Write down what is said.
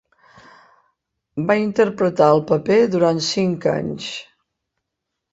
Va interpretar el paper durant cinc anys.